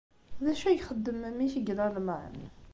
D acu ay ixeddem memmi-k deg Lalman?